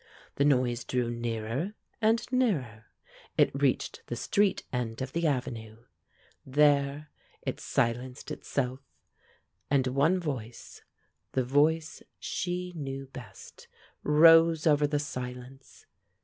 The noise drew nearer and nearer; it reached the Street end of the avenue; there it silenced itself, and one voice, the voice she knew best, rose over the silence.